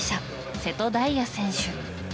瀬戸大也選手。